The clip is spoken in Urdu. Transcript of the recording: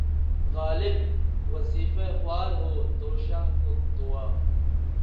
غالبؔ! وظیفہ خوار ہو‘ دو شاہ کو دعا